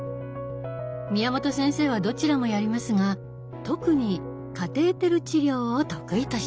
宮本先生はどちらもやりますが特にカテーテル治療を得意としています。